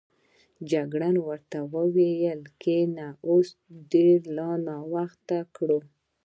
جګړن ورته وویل کېنه، اوس دې لا ناوخته کړ.